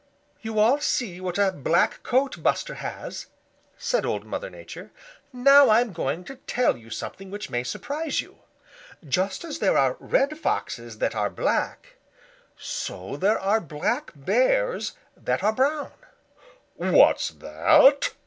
"You all see what a black coat Buster has," said Old Mother Nature. "Now I'm going to tell you something which may surprise you. Just as there are Red Foxes that are black, so there are Black Bears that are brown." "What's that?"